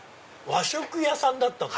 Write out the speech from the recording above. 和食屋さんだったの？